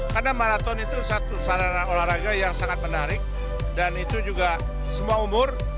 karena maraton itu satu sanaran olahraga yang sangat menarik dan itu juga semua umur